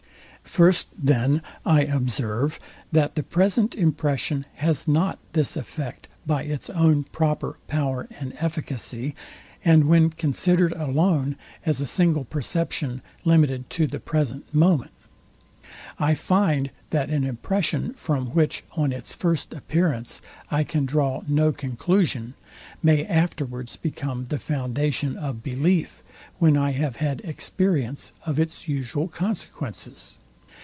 First then I observe, that the present impression has not this effect by its own proper power and efficacy, and when considered alone, as a single perception, limited to the present moment. I find, that an impression, from which, on its first appearance, I can draw no conclusion, may afterwards become the foundation of belief, when I have had experience of its usual consequences.